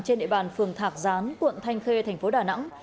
trên địa bàn phường thạc gián quận thanh khê thành phố đà nẵng